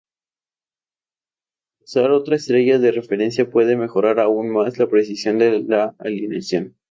Usar otra estrella de referencia puede mejorar aún más la precisión de la alineación.